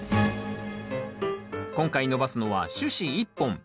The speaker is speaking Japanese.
今回伸ばすのは主枝１本。